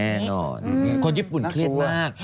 แน่นอนคนญี่ปุ่นเครียดมาก